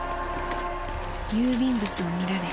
［郵便物を見られ］